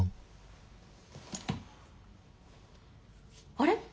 あれ？